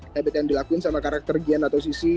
habit yang dilakuin sama karakter gian atau sisi